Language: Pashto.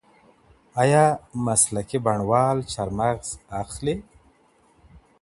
ایا مسلکي بڼوال چارمغز اخلي؟